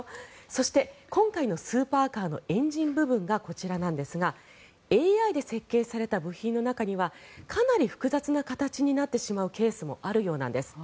そして、今回のスーパーカーのエンジン部分がこちらなんですがＡＩで設計された部品の中にはかなり複雑な形になってしまうケースもあるようなんです。